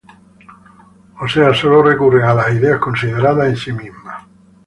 O sea, sólo recurren a las ideas consideradas en sí mismas.